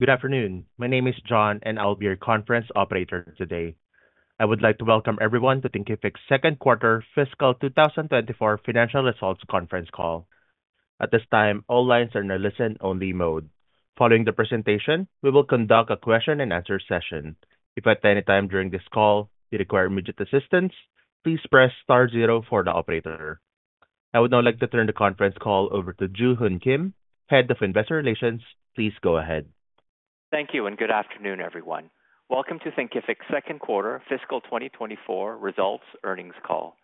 Good afternoon. My name is John, and I'll be your conference operator today. I would like to welcome everyone to Thinkific's second quarter fiscal 2024 financial results conference call. At this time, all lines are in a listen-only mode. Following the presentation, we will conduct a question-and-answer session. If at any time during this call you require immediate assistance, please press star zero for the operator. I would now like to turn the conference call over to Joo Hoon Kim, Head of Investor Relations. Please go ahead. Thank you, and good afternoon, everyone. Welcome to Thinkific's second quarter fiscal 2024 results earnings call.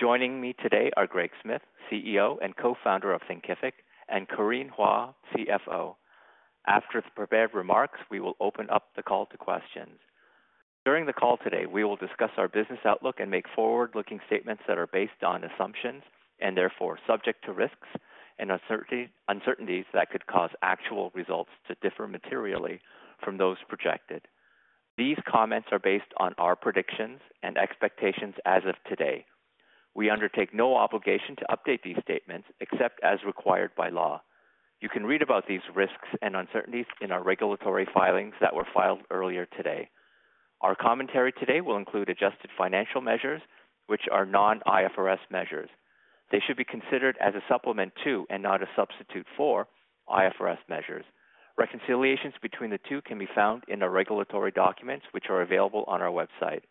Joining me today are Greg Smith, CEO and Co-Founder of Thinkific, and Corinne Hua, CFO. After the prepared remarks, we will open up the call to questions. During the call today, we will discuss our business outlook and make forward-looking statements that are based on assumptions and therefore subject to risks and uncertainties that could cause actual results to differ materially from those projected. These comments are based on our predictions and expectations as of today. We undertake no obligation to update these statements except as required by law. You can read about these risks and uncertainties in our regulatory filings that were filed earlier today. Our commentary today will include adjusted financial measures, which are non-IFRS measures. They should be considered as a supplement to, and not a substitute for, IFRS measures. Reconciliations between the two can be found in our regulatory documents, which are available on our website.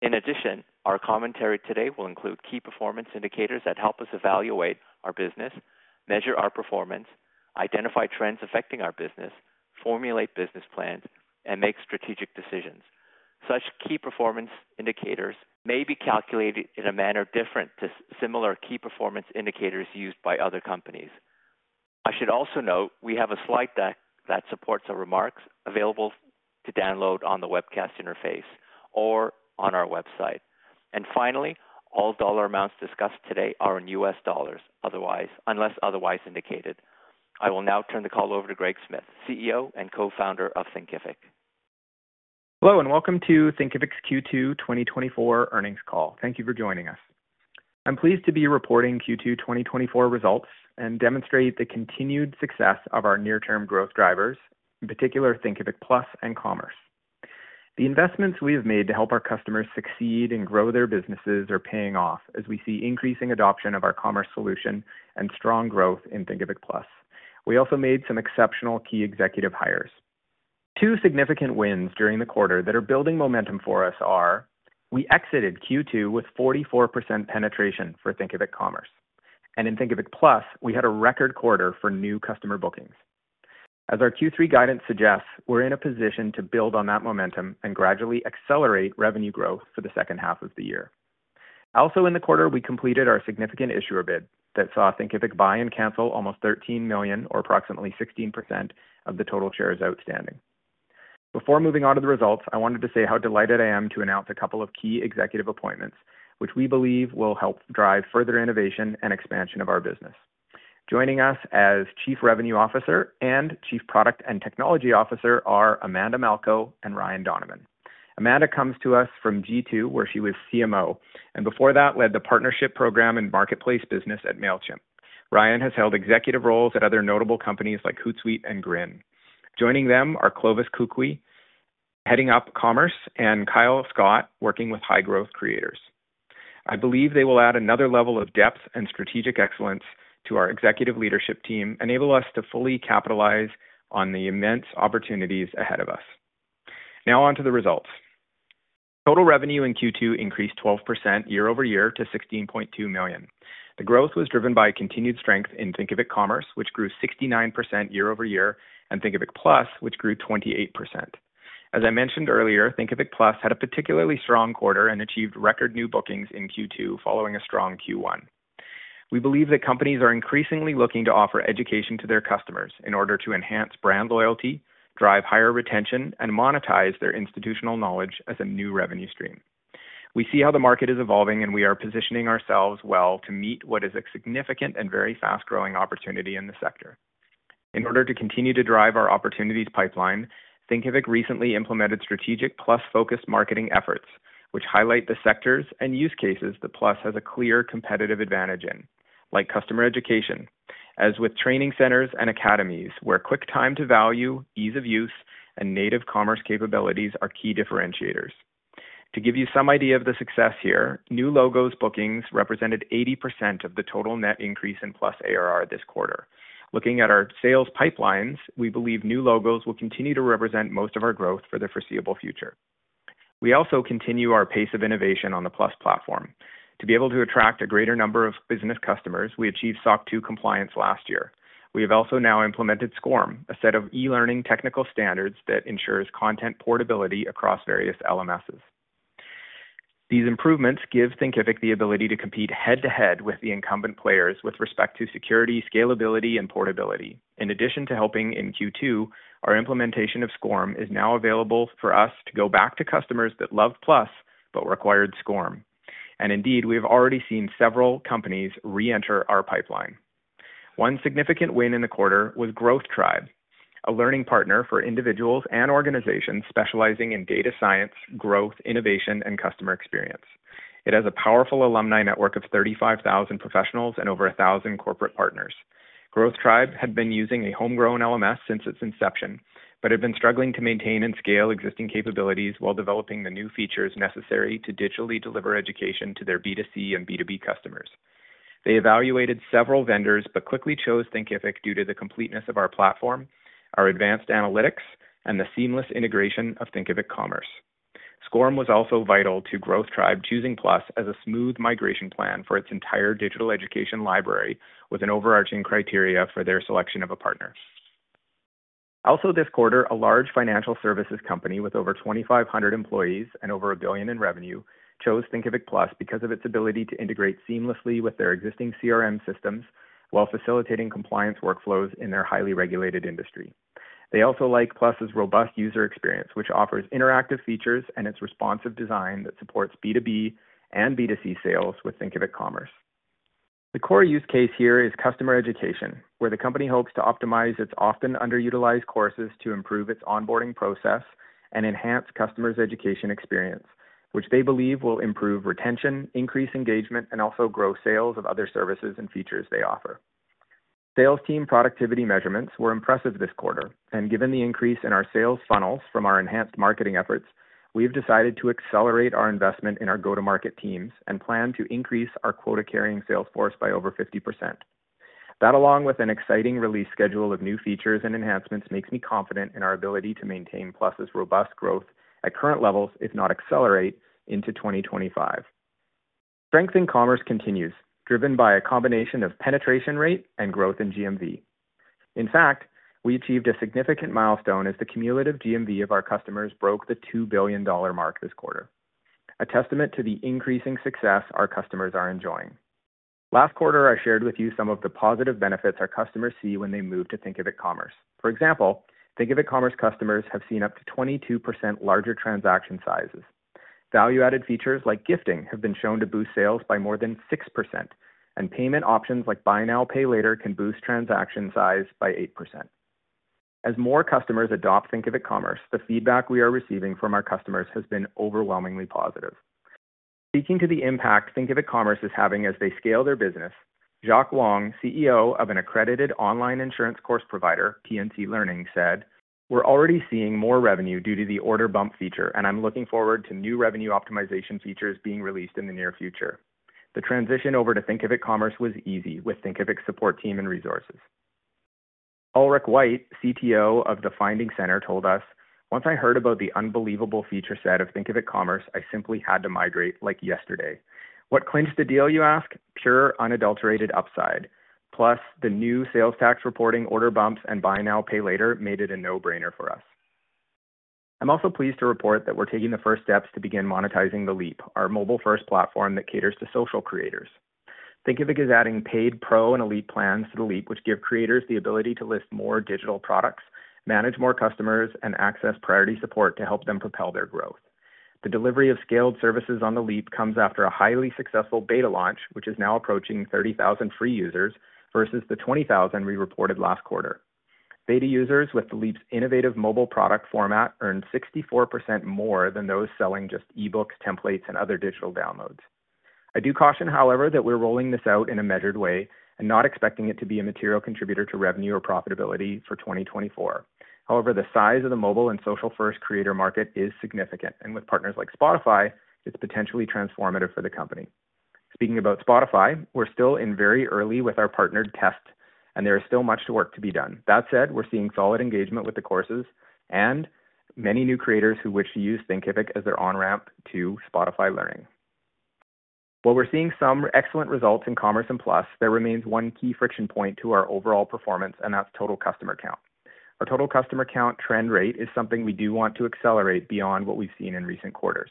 In addition, our commentary today will include key performance indicators that help us evaluate our business, measure our performance, identify trends affecting our business, formulate business plans, and make strategic decisions. Such key performance indicators may be calculated in a manner different to similar key performance indicators used by other companies. I should also note we have a slide deck that supports our remarks available to download on the webcast interface or on our website. Finally, all dollar amounts discussed today are in US dollars, unless otherwise indicated. I will now turn the call over to Greg Smith, CEO and Co-founder of Thinkific. Hello, and welcome to Thinkific's Q2 2024 earnings call. Thank you for joining us. I'm pleased to be reporting Q2 2024 results and demonstrate the continued success of our near-term growth drivers, in particular, Thinkific Plus and Commerce. The investments we have made to help our customers succeed and grow their businesses are paying off as we see increasing adoption of our commerce solution and strong growth in Thinkific Plus. We also made some exceptional key executive hires. Two significant wins during the quarter that are building momentum for us are: we exited Q2 with 44% penetration for Thinkific Commerce, and in Thinkific Plus, we had a record quarter for new customer bookings. As our Q3 guidance suggests, we're in a position to build on that momentum and gradually accelerate revenue growth for the second half of the year. Also, in the quarter, we completed our significant issuer bid that saw Thinkific buy and cancel almost 13 million, or approximately 16% of the total shares outstanding. Before moving on to the results, I wanted to say how delighted I am to announce a couple of key executive appointments, which we believe will help drive further innovation and expansion of our business. Joining us as Chief Revenue Officer and Chief Product and Technology Officer are Amanda Malko and Ryan Donovan. Amanda comes to us from G2, where she was CMO, and before that, led the partnership program and marketplace business at Mailchimp. Ryan has held executive roles at other notable companies like Hootsuite and Grin. Joining them are Clovis Kukui, heading up Commerce, and Kyle Scott, working with high-growth creators. I believe they will add another level of depth and strategic excellence to our executive leadership team, enable us to fully capitalize on the immense opportunities ahead of us. Now on to the results. Total revenue in Q2 increased 12% year-over-year to $16.2 million. The growth was driven by continued strength in Thinkific Commerce, which grew 69% year-over-year, and Thinkific Plus, which grew 28%. As I mentioned earlier, Thinkific Plus had a particularly strong quarter and achieved record new bookings in Q2 following a strong Q1. We believe that companies are increasingly looking to offer education to their customers in order to enhance brand loyalty, drive higher retention, and monetize their institutional knowledge as a new revenue stream. We see how the market is evolving, and we are positioning ourselves well to meet what is a significant and very fast-growing opportunity in the sector. In order to continue to drive our opportunities pipeline, Thinkific recently implemented strategic Plus-focused marketing efforts, which highlight the sectors and use cases that Plus has a clear competitive advantage in, like customer education, as with training centers and academies, where quick time to value, ease of use, and native commerce capabilities are key differentiators. To give you some idea of the success here, new logos bookings represented 80% of the total net increase in Plus ARR this quarter. Looking at our sales pipelines, we believe new logos will continue to represent most of our growth for the foreseeable future. We also continue our pace of innovation on the Plus platform. To be able to attract a greater number of business customers, we achieved SOC 2 compliance last year. We have also now implemented SCORM, a set of e-learning technical standards that ensures content portability across various LMSs. These improvements give Thinkific the ability to compete head-to-head with the incumbent players with respect to security, scalability, and portability. In addition to helping in Q2, our implementation of SCORM is now available for us to go back to customers that love Plus, but required SCORM. And indeed, we have already seen several companies reenter our pipeline. One significant win in the quarter was Growth Tribe, a learning partner for individuals and organizations specializing in data science, growth, innovation, and customer experience. It has a powerful alumni network of 35,000 professionals and over 1,000 corporate partners. Growth Tribe had been using a homegrown LMS since its inception, but had been struggling to maintain and scale existing capabilities while developing the new features necessary to digitally deliver education to their B2C and B2B customers. They evaluated several vendors, but quickly chose Thinkific due to the completeness of our platform, our advanced analytics, and the seamless integration of Thinkific Commerce. SCORM was also vital to Growth Tribe, choosing Plus as a smooth migration plan for its entire digital education library, with an overarching criteria for their selection of a partner. Also this quarter, a large financial services company with over 2,500 employees and over $1 billion in revenue chose Thinkific Plus because of its ability to integrate seamlessly with their existing CRM systems while facilitating compliance workflows in their highly regulated industry. They also like Plus's robust user experience, which offers interactive features and its responsive design that supports B2B and B2C sales with Thinkific Commerce. The core use case here is customer education, where the company hopes to optimize its often underutilized courses to improve its onboarding process and enhance customers' education experience, which they believe will improve retention, increase engagement, and also grow sales of other services and features they offer. Sales team productivity measurements were impressive this quarter, and given the increase in our sales funnels from our enhanced marketing efforts, we've decided to accelerate our investment in our go-to-market teams and plan to increase our quota-carrying sales force by over 50%. That, along with an exciting release schedule of new features and enhancements, makes me confident in our ability to maintain Plus's robust growth at current levels, if not accelerate into 2025. Strength in commerce continues, driven by a combination of penetration rate and growth in GMV. In fact, we achieved a significant milestone as the cumulative GMV of our customers broke the $2 billion mark this quarter, a testament to the increasing success our customers are enjoying. Last quarter, I shared with you some of the positive benefits our customers see when they move to Thinkific Commerce. For example, Thinkific Commerce customers have seen up to 22% larger transaction sizes. Value-added features like gifting have been shown to boost sales by more than 6%, and payment options like buy now, pay later, can boost transaction size by 8%. As more customers adopt Thinkific Commerce, the feedback we are receiving from our customers has been overwhelmingly positive. Speaking to the impact Thinkific Commerce is having as they scale their business, Jacques Wong, CEO of an accredited online insurance course provider, T&T Learning, said, "We're already seeing more revenue due to the order bump feature, and I'm looking forward to new revenue optimization features being released in the near future. The transition over to Thinkific Commerce was easy with Thinkific's support team and resources." Ulrich White, CTO of The Finding Center, told us, "Once I heard about the unbelievable feature set of Thinkific Commerce, I simply had to migrate, like, yesterday. What clinched the deal, you ask? Pure, unadulterated upside. Plus, the new sales tax reporting, order bumps, and buy now, pay later, made it a no-brainer for us." I'm also pleased to report that we're taking the first steps to begin monetizing The Leap, our mobile-first platform that caters to social creators. Thinkific is adding paid pro and elite plans to The Leap, which give creators the ability to list more digital products, manage more customers, and access priority support to help them propel their growth. The delivery of scaled services on The Leap comes after a highly successful beta launch, which is now approaching 30,000 free users versus the 20,000 we reported last quarter. Beta users with The Leap's innovative mobile product format earned 64% more than those selling just eBooks, templates, and other digital downloads. I do caution, however, that we're rolling this out in a measured way and not expecting it to be a material contributor to revenue or profitability for 2024. However, the size of the mobile and social-first creator market is significant, and with partners like Spotify, it's potentially transformative for the company. Speaking about Spotify, we're still in very early with our partnered test, and there is still much work to be done. That said, we're seeing solid engagement with the courses and many new creators who wish to use Thinkific as their on-ramp to Spotify Learning. While we're seeing some excellent results in Commerce and Plus, there remains one key friction point to our overall performance, and that's total customer count. Our total customer count trend rate is something we do want to accelerate beyond what we've seen in recent quarters.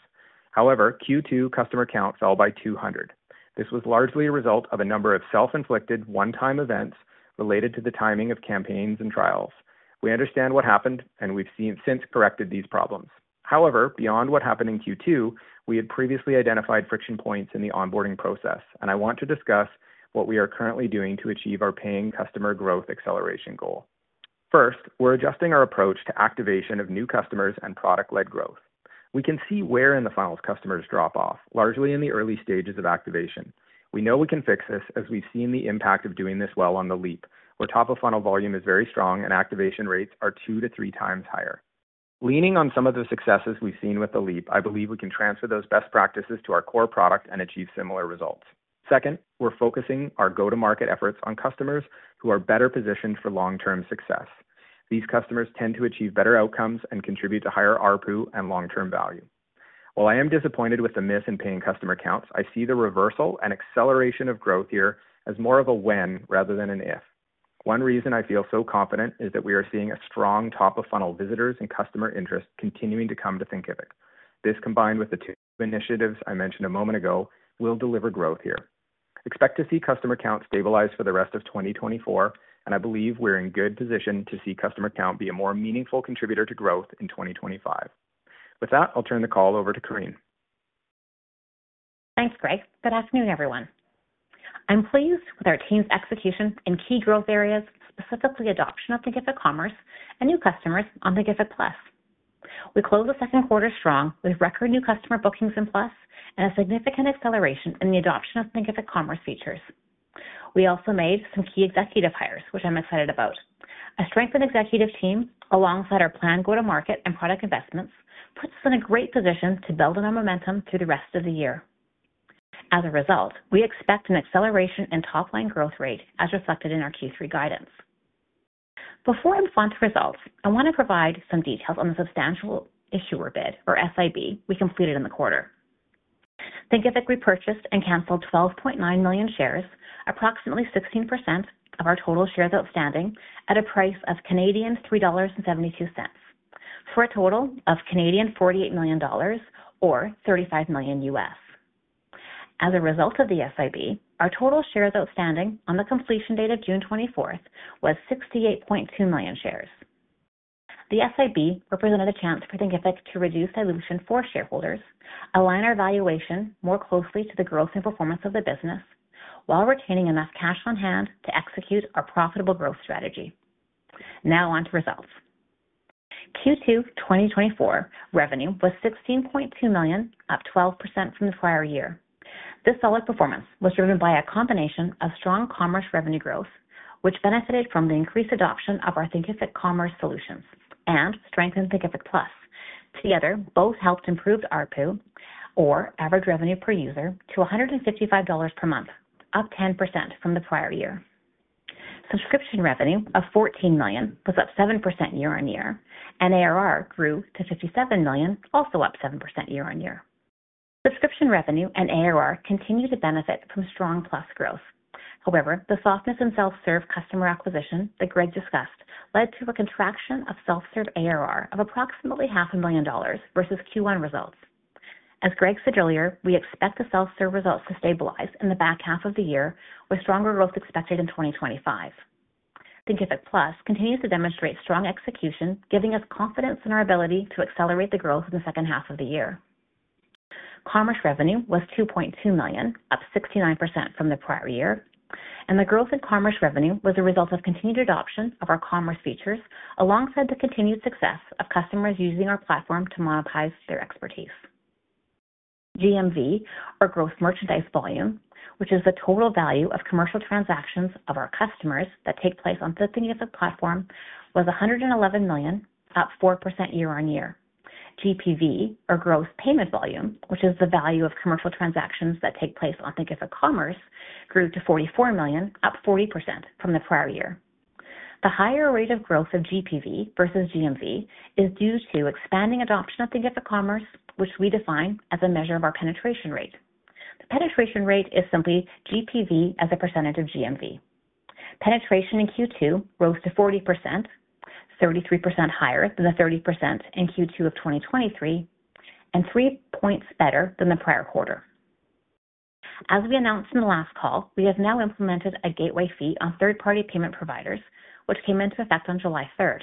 However, Q2 customer count fell by 200. Th largely a result of a number of self-inflicted one-time events related to the timing of campaigns and trials. We understand what happened, and we've since corrected these problems. However, beyond what happened in Q2, we had previously identified friction points in the onboarding process, and I want to discuss what we are currently doing to achieve our paying customer growth acceleration goal. First, we're adjusting our approach to activation of new customers and product-led growth. We can see where in the funnels customers drop off, largely in the early stages of activation. We know we can fix this, as we've seen the impact of doing this well on The Leap, where top-of-funnel volume is very strong and activation rates are 2-3x higher. Leaning on some of the successes we've seen with The Leap, I believe we can transfer those best practices to our core product and achieve similar results. Second, we're focusing our go-to-market efforts on customers who are better positioned for long-term success. These customers tend to achieve better outcomes and contribute to higher ARPU and long-term value. While I am disappointed with the miss in paying customer counts, I see the reversal and acceleration of growth here as more of a when rather than an if. One reason I feel so confident is that we are seeing a strong top-of-funnel visitors and customer interest continuing to come to Thinkific. This, combined with the two initiatives I mentioned a moment ago, will deliver growth here. Expect to see customer count stabilize for the rest of 2024, and I believe we're in good position to see customer count be a more meaningful contributor to growth in 2025. With that, I'll turn the call over to Corinne. Thanks, Greg. Good afternoon, everyone.... I'm pleased with our team's execution in key growth areas, specifically adoption of Thinkific Commerce and new customers on Thinkific Plus. We closed the second quarter strong, with record new customer bookings in Plus and a significant acceleration in the adoption of Thinkific Commerce features. We also made some key executive hires, which I'm excited about. A strengthened executive team, alongside our planned go-to-market and product investments, puts us in a great position to build on our momentum through the rest of the year. As a result, we expect an acceleration in top-line growth rate, as reflected in our Q3 guidance. Before I move on to results, I want to provide some details on the substantial issuer bid, or SIB, we completed in the quarter. Thinkific repurchased and canceled 12.9 million shares, approximately 16% of our total shares outstanding, at a price of 3.72 Canadian dollars, for a total of 48 million Canadian dollars, or $35 million. As a result of the SIB, our total shares outstanding on the completion date of June 24th was 68.2 million shares. The SIB represented a chance for Thinkific to reduce dilution for shareholders, align our valuation more closely to the growth and performance of the business, while retaining enough cash on hand to execute our profitable growth strategy. Now on to results. Q2 2024 revenue was $16.2 million, up 12% from the prior year. This solid performance was driven by a combination of strong commerce revenue growth, which benefited from the increased adoption of our Thinkific Commerce solutions and strengthened Thinkific Plus. Together, both helped improved ARPU, or Average Revenue Per User, to $155 per month, up 10% from the prior year. Subscription revenue of $14 million was up 7% year-on-year, and ARR grew to $57 million, also up 7% year-on-year. Subscription revenue and ARR continue to benefit from strong Plus growth. However, the softness in self-serve customer acquisition that Greg discussed led to a contraction of self-serve ARR of approximately $500,000 versus Q1 results. As Greg said earlier, we expect the self-serve results to stabilize in the back half of the year, with stronger growth expected in 2025. Thinkific Plus continues to demonstrate strong execution, giving us confidence in our ability to accelerate the growth in the second half of the year. Commerce revenue was $2.2 million, up 69% from the prior year, and the growth in commerce revenue was a result of continued adoption of our commerce features, alongside the continued success of customers using our platform to monetize their expertise. GMV, or Gross Merchandise Volume, which is the total value of commercial transactions of our customers that take place on the Thinkific platform, was $111 million, up 4% year-on-year. GPV, or Gross Payment Volume, which is the value of commercial transactions that take place on Thinkific Commerce, grew to $44 million, up 40% from the prior year. The higher rate of growth of GPV versus GMV is due to expanding adoption of Thinkific Commerce, which we define as a measure of our penetration rate. The penetration rate is simply GPV as a percentage of GMV. Penetration in Q2 rose to 40%, 33% higher than the 30% in Q2 of 2023, and 3 points better than the prior quarter. As we announced in the last call, we have now implemented a gateway fee on third-party payment providers, which came into effect on July 3rd.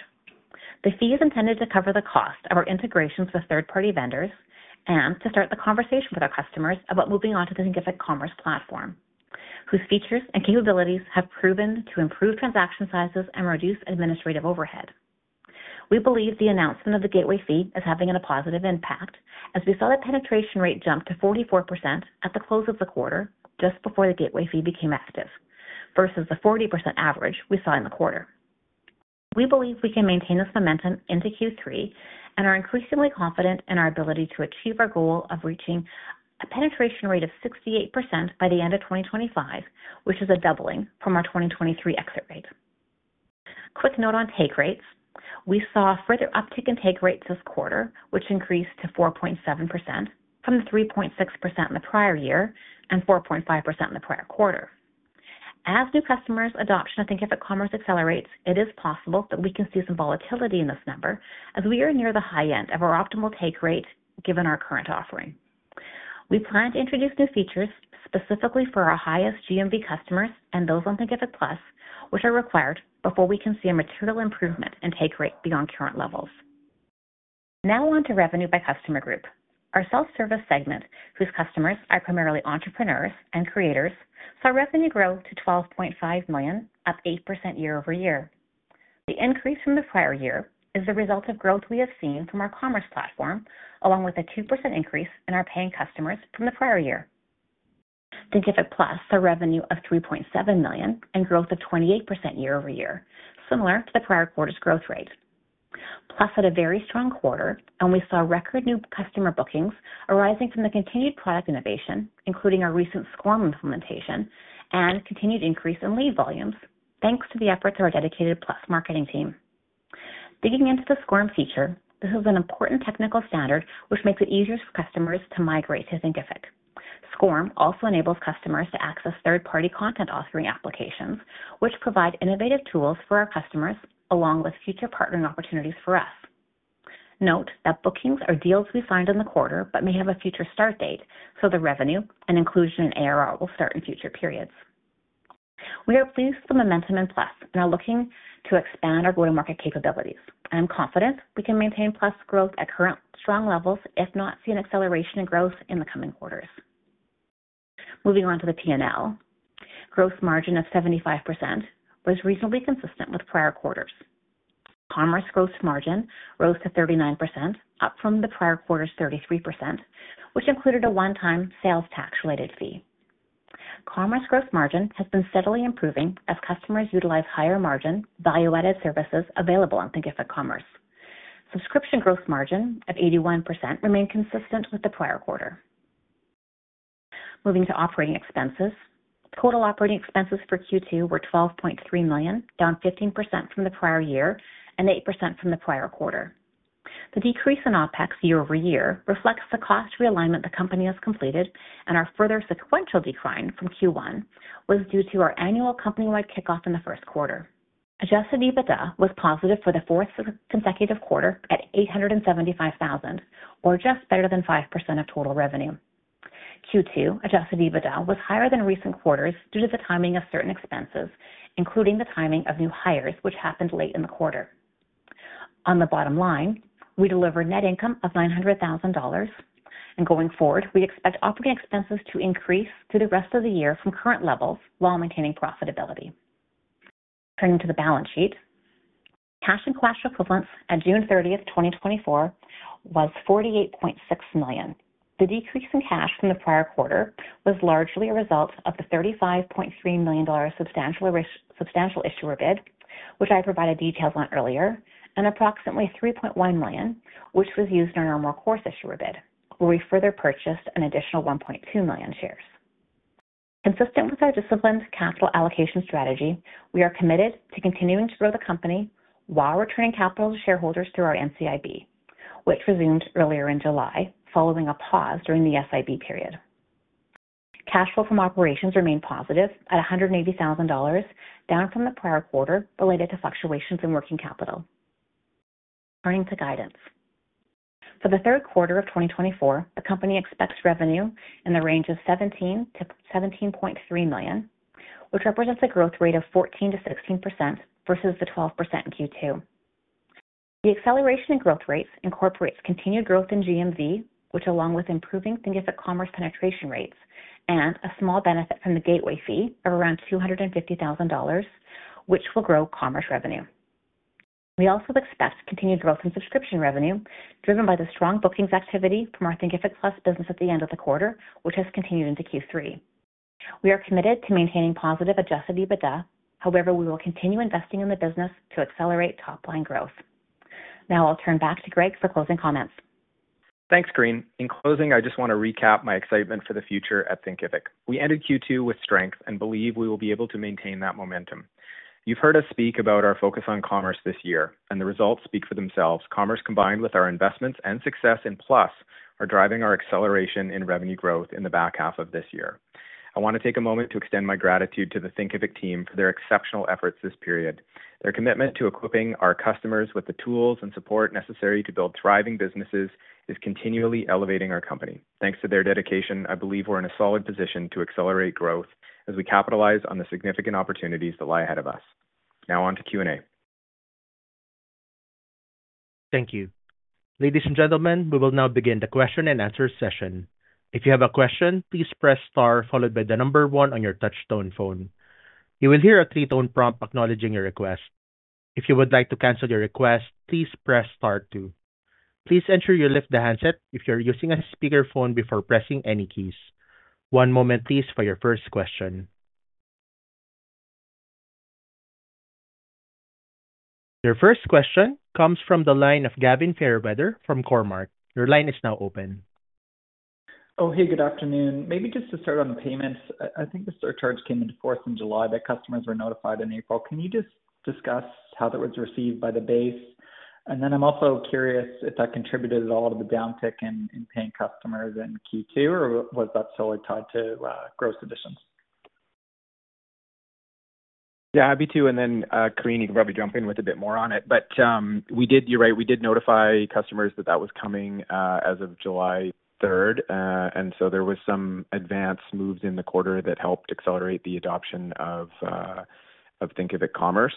The fee is intended to cover the cost of our integrations with third-party vendors and to start the conversation with our customers about moving on to the Thinkific Commerce platform, whose features and capabilities have proven to improve transaction sizes and reduce administrative overhead. We believe the announcement of the gateway fee is having a positive impact, as we saw the penetration rate jump to 44% at the close of the quarter, just before the gateway fee became active, versus the 40% average we saw in the quarter. We believe we can maintain this momentum into Q3 and are increasingly confident in our ability to achieve our goal of reaching a penetration rate of 68% by the end of 2025, which is a doubling from our 2023 exit rate. Quick note on take rates. We saw a further uptick in take rates this quarter, which increased to 4.7% from 3.6% in the prior year and 4.5% in the prior quarter. As new customers' adoption of Thinkific Commerce accelerates, it is possible that we can see some volatility in this number, as we are near the high end of our optimal take rate, given our current offering. We plan to introduce new features specifically for our highest GMV customers and those on Thinkific Plus, which are required before we can see a material improvement in take rate beyond current levels. Now on to revenue by customer group. Our self-service segment, whose customers are primarily entrepreneurs and creators, saw revenue grow to $12.5 million, up 8% year-over-year. The increase from the prior year is the result of growth we have seen from our commerce platform, along with a 2% increase in our paying customers from the prior year. Thinkific Plus, a revenue of $3.7 million and growth of 28% year-over-year, similar to the prior quarter's growth rate. Plus had a very strong quarter, and we saw record new customer bookings arising from the continued product innovation, including our recent SCORM implementation and continued increase in lead volumes, thanks to the efforts of our dedicated Plus marketing team. Digging into the SCORM feature, this is an important technical standard which makes it easier for customers to migrate to Thinkific. SCORM also enables customers to access third-party content authoring applications, which provide innovative tools for our customers, along with future partnering opportunities for us. Note that bookings are deals we signed in the quarter but may have a future start date, so the revenue and inclusion in ARR will start in future periods. We are pleased with the momentum in Plus and are looking to expand our go-to-market capabilities. I'm confident we can maintain Plus growth at current strong levels, if not see an acceleration in growth in the coming quarters. Moving on to the PNL. Growth margin of 75% was reasonably consistent with prior quarters. Commerce growth margin rose to 39%, up from the prior quarter's 33%, which included a one-time sales tax-related fee. Commerce growth margin has been steadily improving as customers utilize higher margin value-added services available on Thinkific Commerce. Subscription growth margin of 81% remained consistent with the prior quarter. Moving to operating expenses. Total operating expenses for Q2 were $12.3 million, down 15% from the prior year and 8% from the prior quarter. The decrease in OpEx year-over-year reflects the cost realignment the company has completed, and our further sequential decline from Q1 was due to our annual company-wide kickoff in the first quarter. Adjusted EBITDA was positive for the fourth consecutive quarter at $875,000, or just better than 5% of total revenue. Q2 adjusted EBITDA was higher than recent quarters due to the timing of certain expenses, including the timing of new hires, which happened late in the quarter. On the bottom line, we delivered net income of $900,000, and going forward, we expect operating expenses to increase through the rest of the year from current levels while maintaining profitability. Turning to the balance sheet. Cash and cash equivalents at June 30, 2024, was $48.6 million. The decrease in cash from the prior quarter was largely a result of the $35.3 million substantial issuer bid, which I provided details on earlier, and approximately $3.1 million, which was used in our normal course issuer bid, where we further purchased an additional 1.2 million shares. Consistent with our disciplined capital allocation strategy, we are committed to continuing to grow the company while returning capital to shareholders through our NCIB, which resumed earlier in July, following a pause during the SIB period. Cash flow from operations remained positive at $180,000, down from the prior quarter, related to fluctuations in working capital. Turning to guidance. For the third quarter of 2024, the company expects revenue in the range of $17 million-$17.3 million, which represents a growth rate of 14%-16% versus the 12% in Q2. The acceleration in growth rates incorporates continued growth in GMV, which, along with improving Thinkific Commerce penetration rates and a small benefit from the gateway fee of around $250,000, which will grow commerce revenue. We also expect continued growth in subscription revenue, driven by the strong bookings activity from our Thinkific Plus business at the end of the quarter, which has continued into Q3. We are committed to maintaining positive adjusted EBITDA. However, we will continue investing in the business to accelerate top-line growth. Now I'll turn back to Greg for closing comments. Thanks, Kareen. In closing, I just want to recap my excitement for the future at Thinkific. We ended Q2 with strength and believe we will be able to maintain that momentum. You've heard us speak about our focus on commerce this year, and the results speak for themselves. Commerce, combined with our investments and success in Plus, are driving our acceleration in revenue growth in the back half of this year. I want to take a moment to extend my gratitude to the Thinkific team for their exceptional efforts this period. Their commitment to equipping our customers with the tools and support necessary to build thriving businesses is continually elevating our company. Thanks to their dedication, I believe we're in a solid position to accelerate growth as we capitalize on the significant opportunities that lie ahead of us. Now on to Q&A. Thank you. Ladies and gentlemen, we will now begin the question-and-answer session. If you have a question, please press star followed by the number one on your touchtone phone. You will hear a three-tone prompt acknowledging your request. If you would like to cancel your request, please press star two. Please ensure you lift the handset if you're using a speakerphone before pressing any keys. One moment, please, for your first question. Your first question comes from the line of Gavin Fairweather from Cormark. Your line is now open. Oh, hey, good afternoon. Maybe just to start on the payments, I think the surcharges came into force in July, that customers were notified in April. Can you just discuss how that was received by the base? And then I'm also curious if that contributed at all to the downtick in paying customers in Q2, or was that solely tied to gross additions? Yeah, happy to, and then, Kareen, you can probably jump in with a bit more on it. But, we did notify customers that that was coming, as of July third. And so there was some advance moves in the quarter that helped accelerate the adoption of Thinkific Commerce,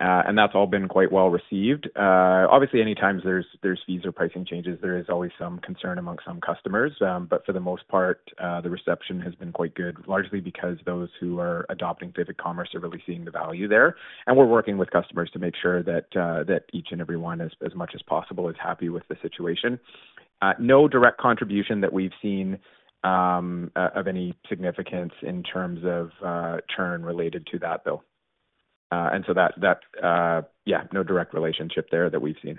and that's all been quite well received. Obviously, anytime there's fees or pricing changes, there is always some concern among some customers. But for the most part, the reception has been quite good, largely because those who are adopting Thinkific Commerce are really seeing the value there. And we're working with customers to make sure that each and every one, as much as possible, is happy with the situation. No direct contribution that we've seen of any significance in terms of churn related to that, though. So, yeah, no direct relationship there that we've seen.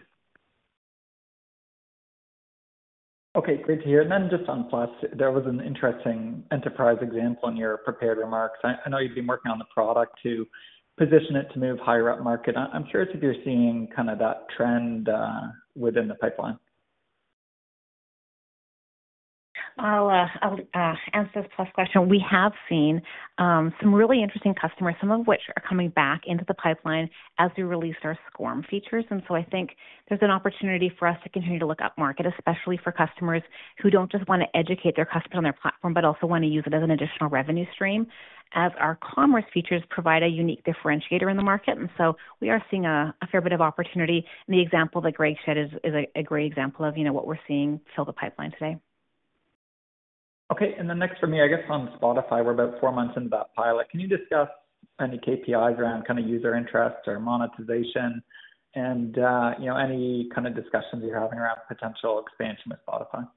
Okay, great to hear. Then just on Plus, there was an interesting enterprise example in your prepared remarks. I know you've been working on the product to position it to move higher up market. I'm curious if you're seeing kind of that trend within the pipeline? ... I'll, I'll, answer this plus question. We have seen some really interesting customers, some of which are coming back into the pipeline as we release our SCORM features. And so I think there's an opportunity for us to continue to look upmarket, especially for customers who don't just want to educate their customer on their platform, but also want to use it as an additional revenue stream, as our commerce features provide a unique differentiator in the market. And so we are seeing a fair bit of opportunity. And the example that Greg said is a great example of, you know, what we're seeing fill the pipeline today. Okay, and then next for me, I guess on Spotify, we're about four months into that pilot. Can you discuss any KPIs around kind of user interest or monetization and, you know, any kind of discussions you're having around potential expansion with Spotify?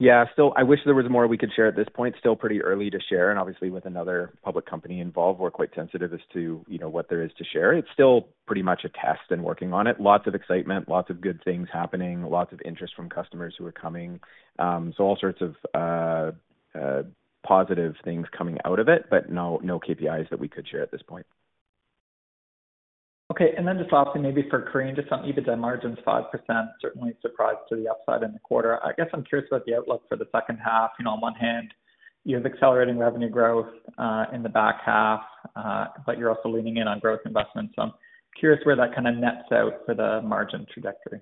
Yeah, so I wish there was more we could share at this point. Still pretty early to share, and obviously with another public company involved, we're quite sensitive as to, you know, what there is to share. It's still pretty much a test and working on it. Lots of excitement, lots of good things happening, lots of interest from customers who are coming. So all sorts of positive things coming out of it, but no, no KPIs that we could share at this point. Okay, and then just lastly, maybe for Corinne, just on EBITDA margins, 5% certainly surprised to the upside in the quarter. I guess I'm curious about the outlook for the second half. You know, on one hand, you have accelerating revenue growth, in the back half, but you're also leaning in on growth investments. So I'm curious where that kind of nets out for the margin trajectory.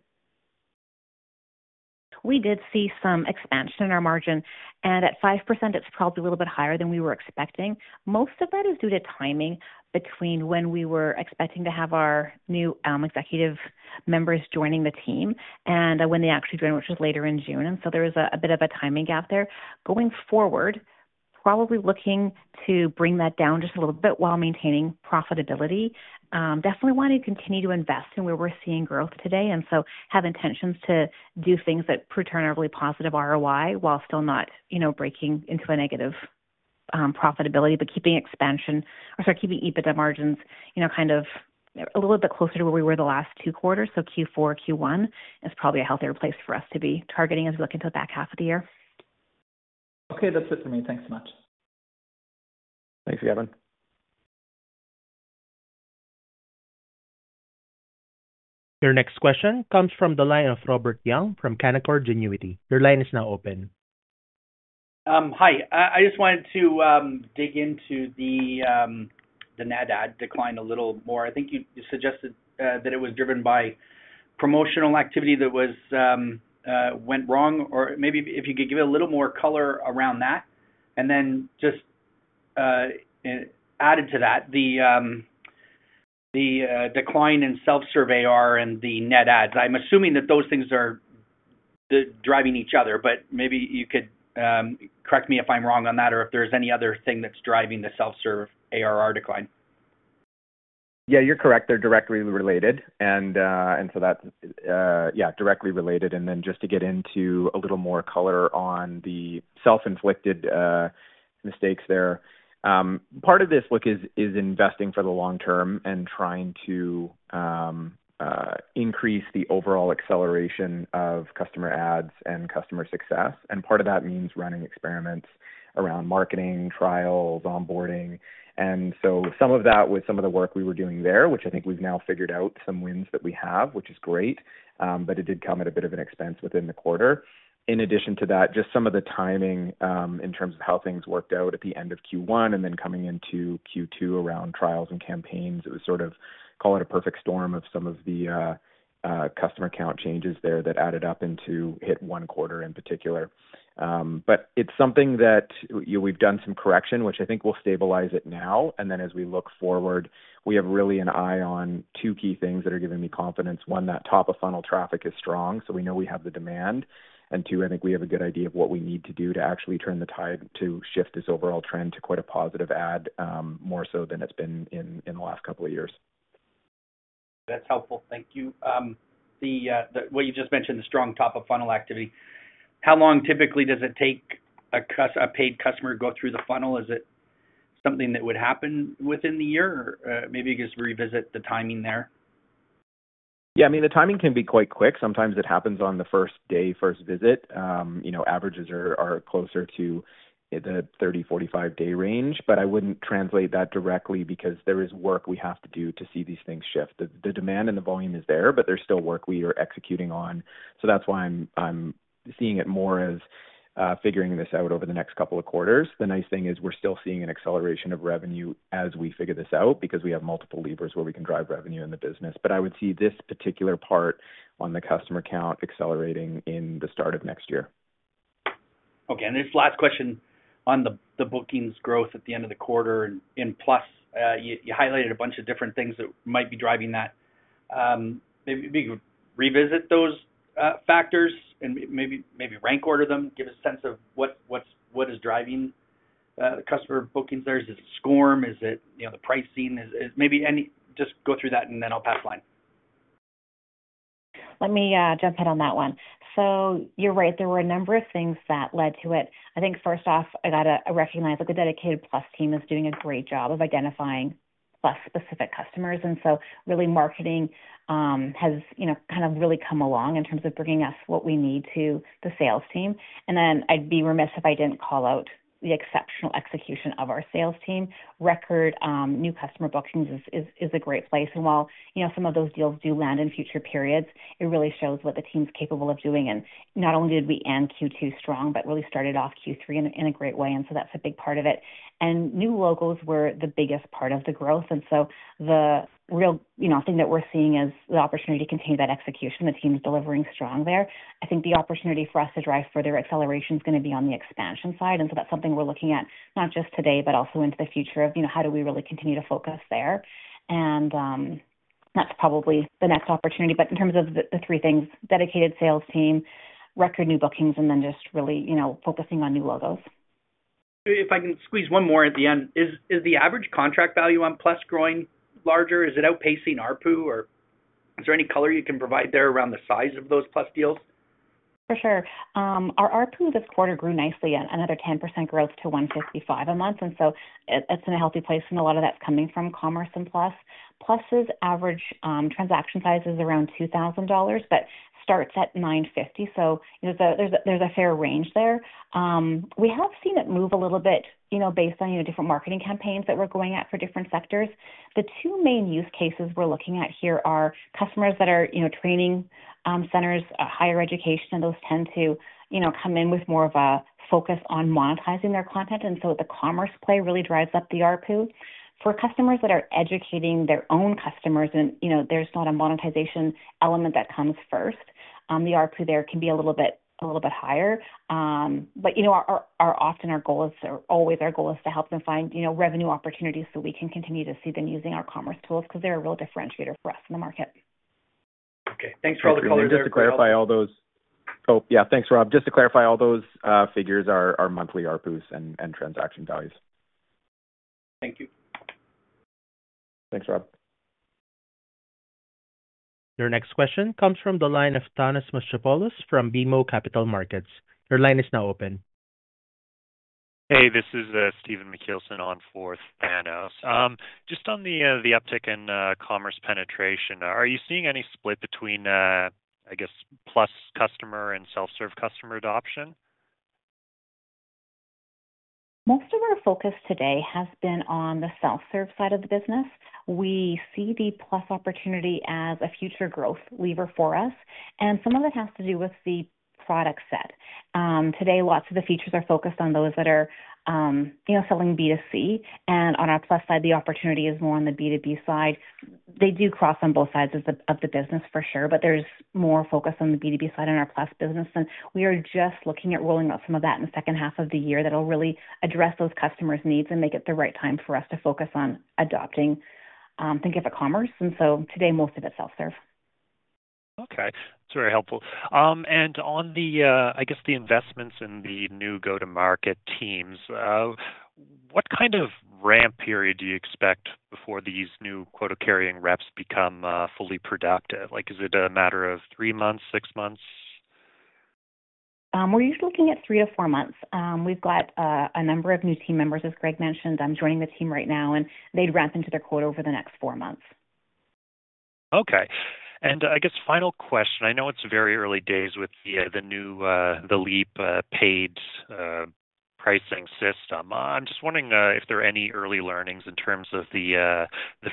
We did see some expansion in our margin, and at 5%, it's probably a little bit higher than we were expecting. Most of that is due to timing between when we were expecting to have our new executive members joining the team and when they actually joined, which was later in June. And so there was a bit of a timing gap there. Going forward, probably looking to bring that down just a little bit while maintaining profitability. Definitely want to continue to invest in where we're seeing growth today, and so have intentions to do things that return a really positive ROI while still not, you know, breaking into a negative profitability, but keeping expansion or sorry, keeping EBITDA margins, you know, kind of a little bit closer to where we were the last two quarters. Q4, Q1 is probably a healthier place for us to be targeting as we look into the back half of the year. Okay, that's it for me. Thanks so much. Thanks, Gavin. Your next question comes from the line of Robert Young from Canaccord Genuity. Your line is now open. Hi. I just wanted to dig into the net add decline a little more. I think you suggested that it was driven by promotional activity that was went wrong, or maybe if you could give a little more color around that. And then just added to that, the decline in self-serve ARR and the net adds. I'm assuming that those things are driving each other, but maybe you could correct me if I'm wrong on that, or if there's any other thing that's driving the self-serve ARR decline. Yeah, you're correct. They're directly related. And, and so that's... yeah, directly related. And then just to get into a little more color on the self-inflicted mistakes there. Part of this look is investing for the long term and trying to increase the overall acceleration of customer adds and customer success. And part of that means running experiments around marketing, trials, onboarding. And so some of that, with some of the work we were doing there, which I think we've now figured out some wins that we have, which is great, but it did come at a bit of an expense within the quarter. In addition to that, just some of the timing, in terms of how things worked out at the end of Q1 and then coming into Q2 around trials and campaigns, it was sort of call it a perfect storm of some of the, customer count changes there that added up into hit one quarter in particular. But it's something that we've done some correction, which I think will stabilize it now. And then as we look forward, we have really an eye on two key things that are giving me confidence. One, that top of funnel traffic is strong, so we know we have the demand. Two, I think we have a good idea of what we need to do to actually turn the tide to shift this overall trend to quite a positive add, more so than it's been in the last couple of years. That's helpful. Thank you. What you just mentioned, the strong top of funnel activity, how long typically does it take a paid customer to go through the funnel? Is it something that would happen within the year? Or, maybe just revisit the timing there. Yeah, I mean, the timing can be quite quick. Sometimes it happens on the first day, first visit. You know, averages are closer to the 30-45 day range, but I wouldn't translate that directly because there is work we have to do to see these things shift. The demand and the volume is there, but there's still work we are executing on. So that's why I'm seeing it more as figuring this out over the next couple of quarters. The nice thing is we're still seeing an acceleration of revenue as we figure this out, because we have multiple levers where we can drive revenue in the business. But I would see this particular part on the customer count accelerating in the start of next year. Okay, and this last question on the bookings growth at the end of the quarter and plus, you highlighted a bunch of different things that might be driving that. Maybe you could revisit those factors and maybe rank order them, give a sense of what's driving the customer bookings there. Is it SCORM? Is it, you know, the pricing? Is... Maybe just go through that, and then I'll pass the line. Let me, jump in on that one. So you're right, there were a number of things that led to it. I think first off, I gotta recognize that the dedicated Plus team is doing a great job of identifying Plus specific customers, and so really, marketing, has, you know, kind of really come along in terms of bringing us what we need to the sales team. And then I'd be remiss if I didn't call out the exceptional execution of our sales team. Record new customer bookings is a great place, and while, you know, some of those deals do land in future periods, it really shows what the team's capable of doing. And not only did we end Q2 strong, but really started off Q3 in a great way, and so that's a big part of it. New logos were the biggest part of the growth, and so the real, you know, thing that we're seeing is the opportunity to continue that execution. The team is delivering strong there. I think the opportunity for us to drive further acceleration is gonna be on the expansion side, and so that's something we're looking at, not just today, but also into the future of, you know, how do we really continue to focus there? That's probably the next opportunity. But in terms of the three things, dedicated sales team, record new bookings, and then just really, you know, focusing on new logos. If I can squeeze one more at the end. Is the average contract value on Plus growing larger? Is it outpacing ARPU, or is there any color you can provide there around the size of those Plus deals? For sure. Our ARPU this quarter grew nicely at another 10% growth to $155 a month, and so it's in a healthy place, and a lot of that's coming from commerce and Plus. Plus's average transaction size is around $2,000, but starts at $950, so, you know, there's a fair range there. We have seen it move a little bit, you know, based on, you know, different marketing campaigns that we're going at for different sectors. The two main use cases we're looking at here are customers that are, you know, training centers, higher education, and those tend to, you know, come in with more of a focus on monetizing their content, and so the commerce play really drives up the ARPU. For customers that are educating their own customers and, you know, there's not a monetization element that comes first, the ARPU there can be a little bit, a little bit higher. But you know, often our goal is, or always our goal is to help them find, you know, revenue opportunities so we can continue to see them using our commerce tools, 'cause they're a real differentiator for us in the market. Okay, thanks for all the color there, Greg Just to clarify all those... Oh, yeah. Thanks, Rob. Just to clarify, all those figures are monthly ARPU and transaction values. Thank you. Thanks, Rob. Your next question comes from the line of Thanos Mastrapolis from BMO Capital Markets. Your line is now open. Hey, this is Steven McKelson on for Thanos. Just on the uptick in commerce penetration, are you seeing any split between, I guess, Plus customer and self-serve customer adoption? Most of our focus today has been on the self-serve side of the business. We see the Plus opportunity as a future growth lever for us, and some of it has to do with the product set. Today, lots of the features are focused on those that are, you know, selling B2C, and on our Plus side, the opportunity is more on the B2B side. They do cross on both sides of the, of the business, for sure, but there's more focus on the B2B side in our Plus business. And we are just looking at rolling out some of that in the second half of the year. That'll really address those customers' needs and make it the right time for us to focus on adopting Thinkific Commerce. And so today, most of it's self-serve. Okay, that's very helpful. And on the, I guess, investments in the new go-to-market teams, what kind of ramp period do you expect before these new quota-carrying reps become fully productive? Like, is it a matter of three months, six months? We're usually looking at 3-4 months. We've got a number of new team members, as Greg mentioned. I'm joining the team right now, and they'd ramp into their quota over the next 4 months. Okay. I guess final question: I know it's very early days with the new Leap paid pricing system. I'm just wondering if there are any early learnings in terms of the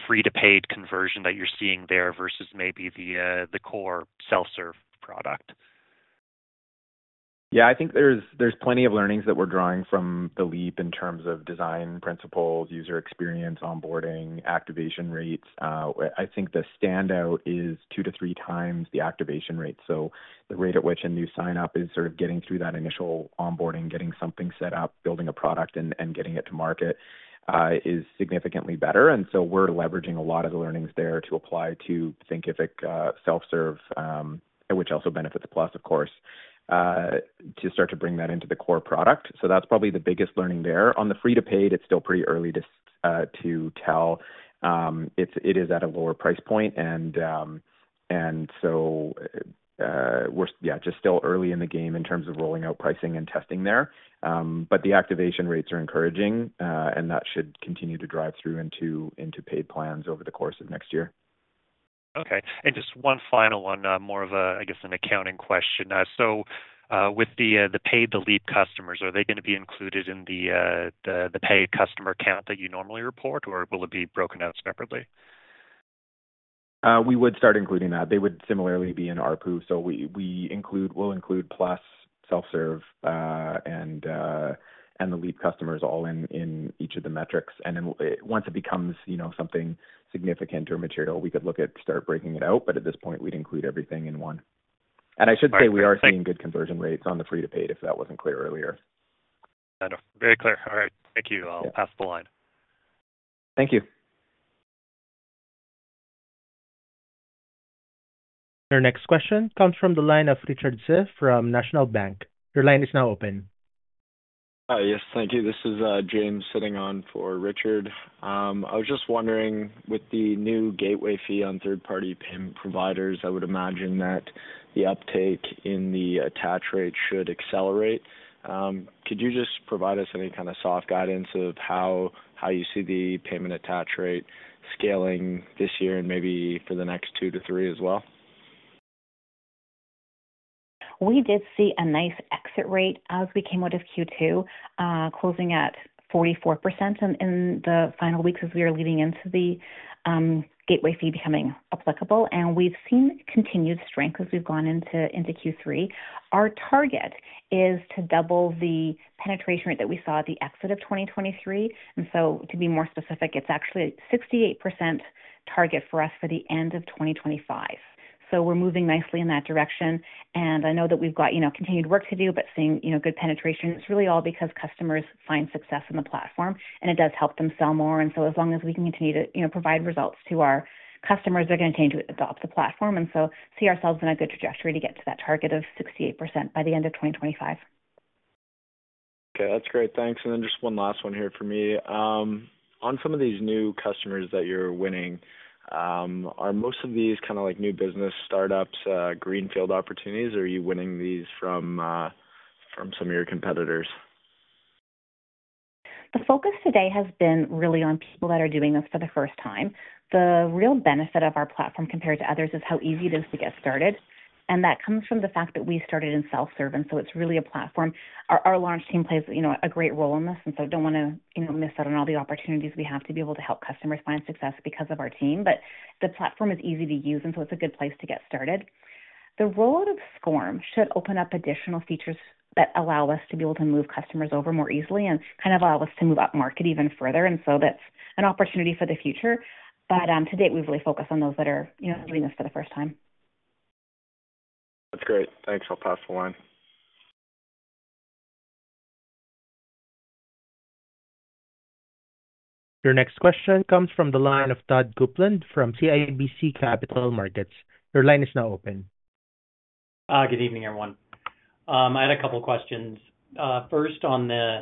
free-to-paid conversion that you're seeing there versus maybe the core self-serve product? Yeah. I think there's plenty of learnings that we're drawing from the Leap in terms of design principles, user experience, onboarding, activation rates. I think the standout is 2-3x the activation rate. So the rate at which a new sign-up is sort of getting through that initial onboarding, getting something set up, building a product, and getting it to market is significantly better. And so we're leveraging a lot of the learnings there to apply to Thinkific self-serve, which also benefits Plus, of course, to start to bring that into the core product. So that's probably the biggest learning there. On the free to paid, it's still pretty early to tell. It is at a lower price point and so we're yeah just still early in the game in terms of rolling out pricing and testing there. But the activation rates are encouraging and that should continue to drive through into paid plans over the course of next year. Okay. And just one final one, more of a, I guess, an accounting question. So, with the paid The Leap customers, are they gonna be included in the paid customer count that you normally report, or will it be broken out separately? We would start including that. They would similarly be in ARPU. So we'll include Plus, self-serve, and the Leap customers all in each of the metrics. And then once it becomes, you know, something significant or material, we could look at start breaking it out, but at this point, we'd include everything in one. Right. I should say, we are seeing good conversion rates on the free-to-paid, if that wasn't clear earlier. No, very clear. All right, thank you. Yeah. I'll pass the line. Thank you. Your next question comes from the line of Richard Ziff from National Bank. Your line is now open. Yes, thank you. This is James sitting in for Richard. I was just wondering, with the new gateway fee on third-party payment providers, I would imagine that the uptake in the attach rate should accelerate. Could you just provide us any kind of soft guidance on how you see the payment attach rate scaling this year and maybe for the next two to three as well? ...We did see a nice exit rate as we came out of Q2, closing at 44% in the final weeks as we were leading into the gateway fee becoming applicable. And we've seen continued strength as we've gone into Q3. Our target is to double the penetration rate that we saw at the exit of 2023, and so to be more specific, it's actually 68% target for us for the end of 2025. So we're moving nicely in that direction. And I know that we've got, you know, continued work to do, but seeing, you know, good penetration, it's really all because customers find success in the platform, and it does help them sell more. And so as long as we can continue to, you know, provide results to our customers, they're gonna continue to adopt the platform, and so see ourselves in a good trajectory to get to that target of 68% by the end of 2025. Okay, that's great. Thanks. Then just one last one here for me. On some of these new customers that you're winning, are most of these kinda like new business startups, greenfield opportunities, or are you winning these from some of your competitors? The focus today has been really on people that are doing this for the first time. The real benefit of our platform compared to others, is how easy it is to get started, and that comes from the fact that we started in self-serve, and so it's really a platform. Our launch team plays, you know, a great role in this, and so I don't wanna, you know, miss out on all the opportunities we have to be able to help customers find success because of our team. But the platform is easy to use, and so it's a good place to get started. The rollout of SCORM should open up additional features that allow us to be able to move customers over more easily and kind of allow us to move up market even further, and so that's an opportunity for the future. To date, we've really focused on those that are, you know, doing this for the first time. That's great. Thanks. I'll pass the line. Your next question comes from the line of Todd Coupland from CIBC Capital Markets. Your line is now open. Good evening, everyone. I had a couple questions. First, on the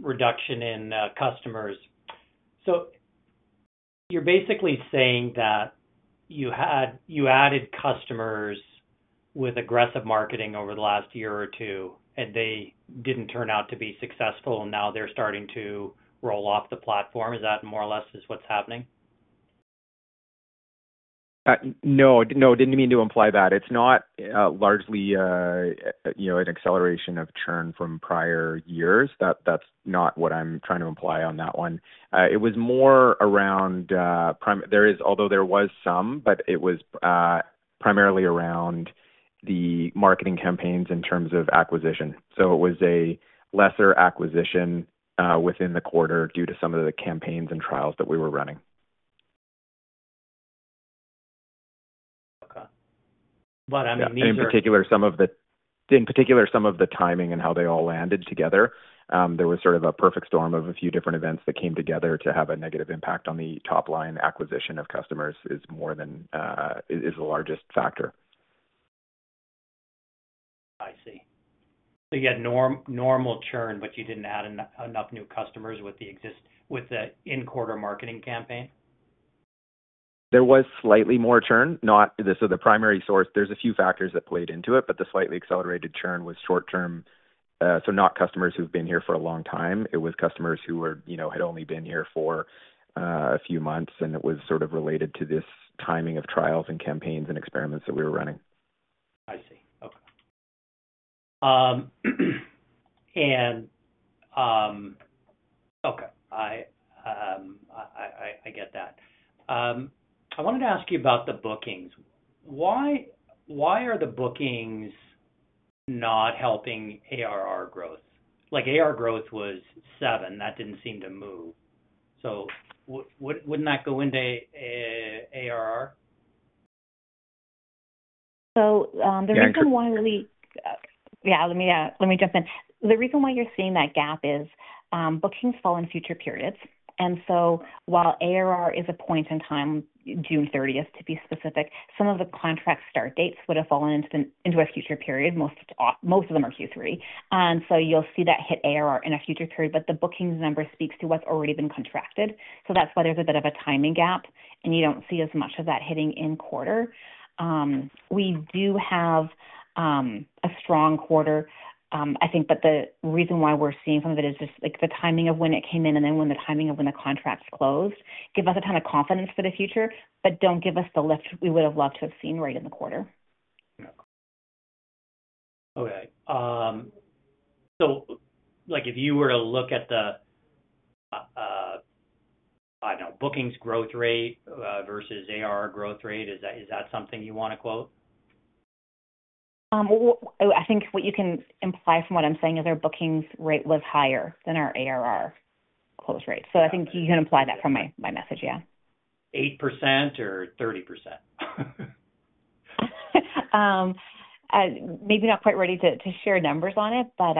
reduction in customers. So you're basically saying that you had, you added customers with aggressive marketing over the last year or two, and they didn't turn out to be successful, and now they're starting to roll off the platform. Is that more or less, is what's happening? No, no, I didn't mean to imply that. It's not largely, you know, an acceleration of churn from prior years. That, that's not what I'm trying to imply on that one. It was more around, although there was some, but it was primarily around the marketing campaigns in terms of acquisition. So it was a lesser acquisition within the quarter due to some of the campaigns and trials that we were running. Okay. But I mean, these are- Yeah, in particular, some of the timing and how they all landed together, there was sort of a perfect storm of a few different events that came together to have a negative impact on the top line. Acquisition of customers is more than the largest factor. I see. So you had normal churn, but you didn't add enough new customers with the in-quarter marketing campaign? There was slightly more churn, not... So the primary source, there's a few factors that played into it, but the slightly accelerated churn was short term. So not customers who've been here for a long time, it was customers who were, you know, had only been here for a few months, and it was sort of related to this timing of trials and campaigns and experiments that we were running. I see. Okay. Okay, I get that. I wanted to ask you about the bookings. Why are the bookings not helping ARR growth? Like, ARR growth was 7. That didn't seem to move. So wouldn't that go into ARR? The reason why we Yeah. Yeah, let me, let me jump in. The reason why you're seeing that gap is, bookings fall in future periods, and so while ARR is a point in time, June thirtieth, to be specific, some of the contract start dates would have fallen into, into a future period. Most, most of them are Q3. And so you'll see that hit ARR in a future period, but the bookings number speaks to what's already been contracted. So that's why there's a bit of a timing gap, and you don't see as much of that hitting in quarter. We do have a strong quarter, I think, but the reason why we're seeing some of it is just, like, the timing of when it came in and then when the timing of when the contracts closed, give us a ton of confidence for the future, but don't give us the lift we would have loved to have seen right in the quarter. Yeah. Okay. So, like, if you were to look at the I don't know, bookings growth rate versus ARR growth rate, is that, is that something you wanna quote? I think what you can imply from what I'm saying is our bookings rate was higher than our ARR close rate. So I think you can imply that from my, my message, yeah. 8% or 30%? Maybe not quite ready to share numbers on it, but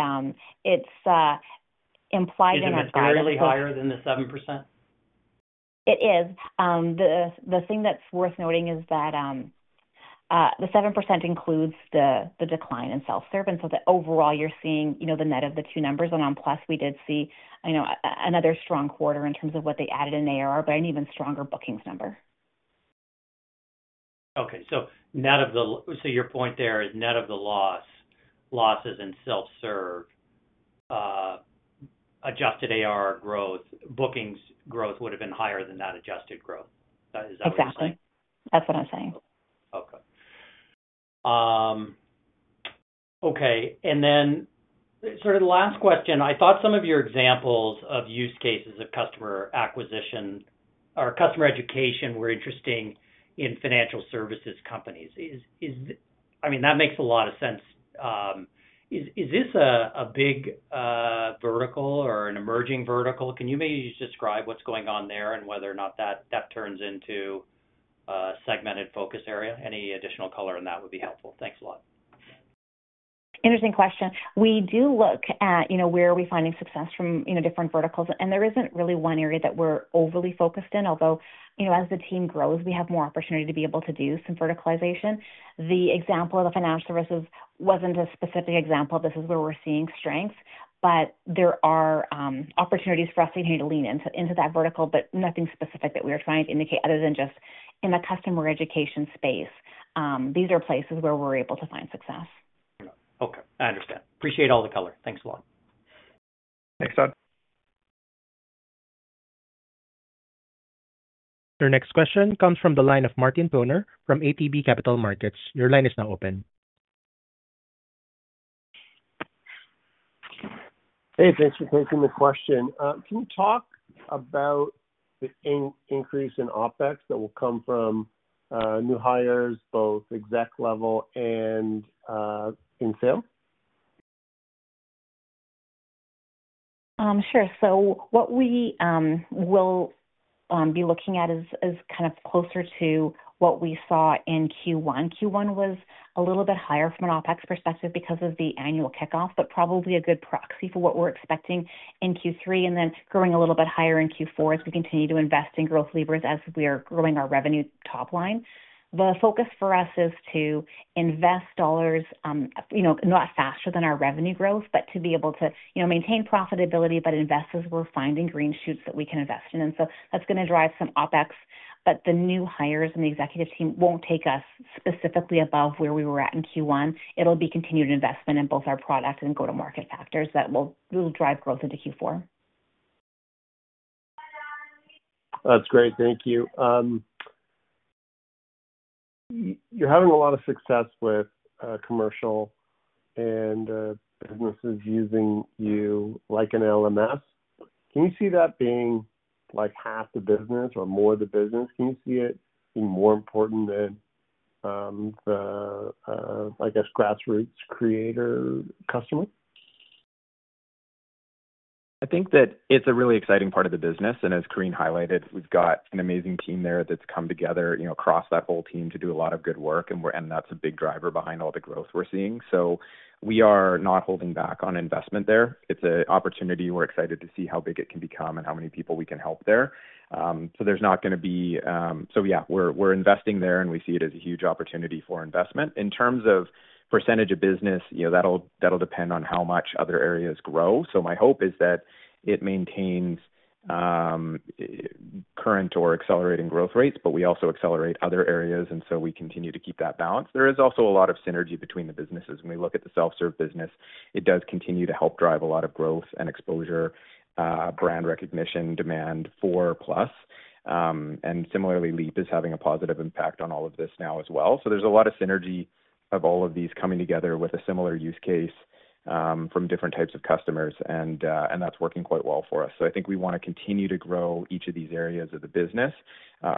it's implied in the- Is it clearly higher than the 7%? It is. The thing that's worth noting is that, the 7% includes the decline in self-serve, and so the overall you're seeing, you know, the net of the two numbers. And on plus, we did see, you know, another strong quarter in terms of what they added in ARR, but an even stronger bookings number. Okay. So net of the—so your point there is net of the loss, losses in self-serve, adjusted A growth, bookings growth would have been higher than that adjusted growth. Is that what you're saying? Exactly. That's what I'm saying. Okay. Okay, and then sort of the last question, I thought some of your examples of use cases of customer acquisition or customer education were interesting in financial services companies. Is—I mean, that makes a lot of sense. Is this a big vertical or an emerging vertical? Can you maybe just describe what's going on there and whether or not that turns into a segmented focus area? Any additional color on that would be helpful. Thanks a lot. Interesting question. We do look at, you know, where are we finding success from, you know, different verticals, and there isn't really one area that we're overly focused in. Although, you know, as the team grows, we have more opportunity to be able to do some verticalization. The example of the financial services wasn't a specific example, this is where we're seeing strength, but there are opportunities for us to continue to lean into, into that vertical, but nothing specific that we are trying to indicate other than just in the customer education space. These are places where we're able to find success. Okay, I understand. Appreciate all the color. Thanks a lot. Thanks, Todd. Your next question comes from the line of Martin Toner from ATB Capital Markets. Your line is now open. Hey, thanks for taking the question. Can you talk about the increase in OpEx that will come from new hires, both exec level and in sale? Sure. So what we will be looking at is kind of closer to what we saw in Q1. Q1 was a little bit higher from an OpEx perspective because of the annual kickoff, but probably a good proxy for what we're expecting in Q3, and then growing a little bit higher in Q4 as we continue to invest in growth levers, as we are growing our revenue top line. The focus for us is to invest dollars, you know, not faster than our revenue growth, but to be able to, you know, maintain profitability, but invest as we're finding green shoots that we can invest in. And so that's gonna drive some OpEx, but the new hires and the executive team won't take us specifically above where we were at in Q1. It'll be continued investment in both our product and go-to-market factors that will drive growth into Q4. That's great. Thank you. You're having a lot of success with commercial and businesses using you like an LMS. Can you see that being like half the business or more of the business? Can you see it being more important than the, I guess, grassroots creator customer? I think that it's a really exciting part of the business, and as Corinne highlighted, we've got an amazing team there that's come together, you know, across that whole team to do a lot of good work, and we're, and that's a big driver behind all the growth we're seeing. So we are not holding back on investment there. It's an opportunity. We're excited to see how big it can become and how many people we can help there. So there's not gonna be... So yeah, we're, we're investing there, and we see it as a huge opportunity for investment. In terms of percentage of business, you know, that'll, that'll depend on how much other areas grow. So my hope is that it maintains current or accelerating growth rates, but we also accelerate other areas, and so we continue to keep that balance. There is also a lot of synergy between the businesses. When we look at the self-serve business, it does continue to help drive a lot of growth and exposure, brand recognition, demand for Plus. And similarly, Leap is having a positive impact on all of this now as well. So there's a lot of synergy of all of these coming together with a similar use case, from different types of customers, and that's working quite well for us. So I think we wanna continue to grow each of these areas of the business,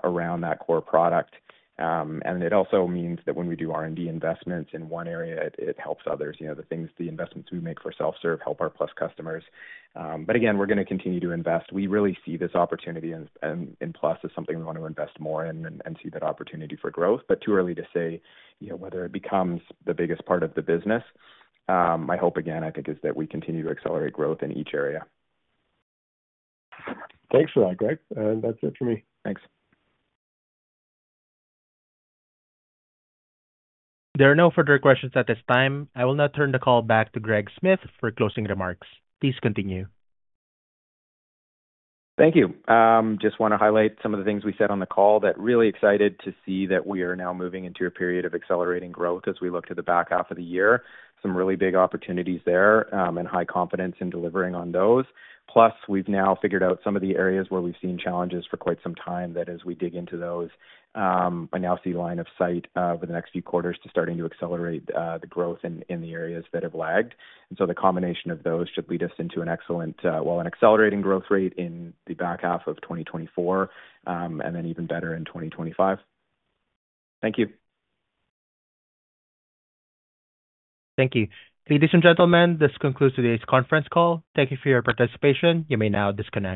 around that core product. And it also means that when we do R&D investments in one area, it helps others. You know, the things, the investments we make for self-serve help our Plus customers. But again, we're gonna continue to invest. We really see this opportunity in Plus as something we want to invest more in and see that opportunity for growth, but too early to say, you know, whether it becomes the biggest part of the business. My hope again, I think, is that we continue to accelerate growth in each area. Thanks for that, Greg. That's it for me. Thanks. There are no further questions at this time. I will now turn the call back to Greg Smith for closing remarks. Please continue. Thank you. Just wanna highlight some of the things we said on the call, that really excited to see that we are now moving into a period of accelerating growth as we look to the back half of the year. Some really big opportunities there, and high confidence in delivering on those. Plus, we've now figured out some of the areas where we've seen challenges for quite some time, that as we dig into those, I now see line of sight over the next few quarters to starting to accelerate the growth in the areas that have lagged. And so the combination of those should lead us into an excellent, well, an accelerating growth rate in the back half of 2024, and then even better in 2025. Thank you. Thank you. Ladies and gentlemen, this concludes today's conference call. Thank you for your participation. You may now disconnect.